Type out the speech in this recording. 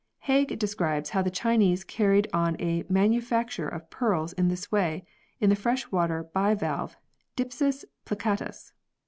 Hague describes how the Chinese carried on a manu facture of pearls in this way in the fresh water bivalve Dipsas plicatus.